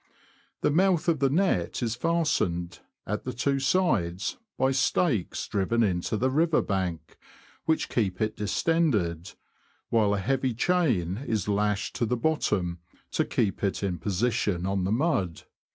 The mouth of the net is fastened, at the two sides, by stakes driven into the river bank, which keep it distended ; while a heavy chain is lashed to the bottom, to keep it in position on the mud.